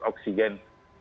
dan logistik untuk oksigen